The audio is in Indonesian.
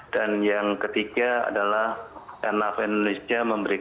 dan yang ketiga adalah airnav indonesia memberikan